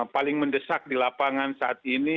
paling mendesak di lapangan saat ini